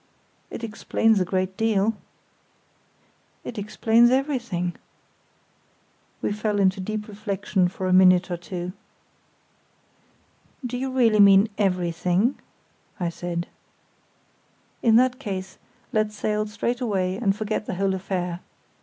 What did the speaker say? "It explains a good deal." "It explains everything." We fell into deep reflexion for a minute or two. "Do you really mean everything?" I said. "In that case let's sail straight away and forget the whole affair.